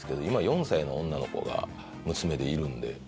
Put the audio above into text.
今４歳の女の子が娘でいるんで。